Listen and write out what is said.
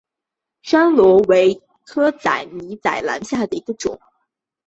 山椤为楝科米仔兰属下的一个种。